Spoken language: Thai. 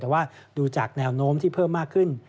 แต่ว่าดูจากแนวโน้มที่เพิ่มมากขึ้น